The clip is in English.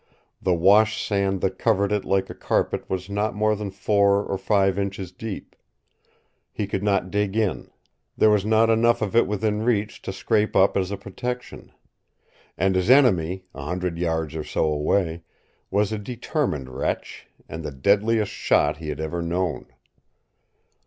The wash sand that covered it like a carpet was not more than four or five inches deep. He could not dig in. There was not enough of it within reach to scrape up as a protection. And his enemy, a hundred yards or so away, was a determined wretch and the deadliest shot he had ever known.